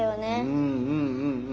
うんうんうんうん。